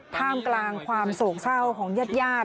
ท่ามกลางความโศกเศร้าของญาติญาติ